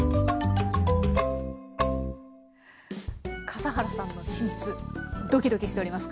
笠原さんの秘密ドキドキしております。